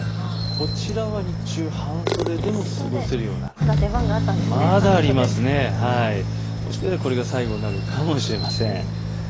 こちらは日中半袖でも過ごせるようなもしかしたらこれが最後になるかもしれません。